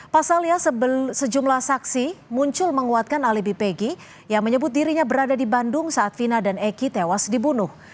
pasalnya sejumlah saksi muncul menguatkan alibi peggy yang menyebut dirinya berada di bandung saat vina dan eki tewas dibunuh